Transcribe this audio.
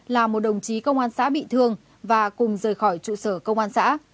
làm một đồng chí công an xã bị thương và cùng rời khỏi trụ sở công an xã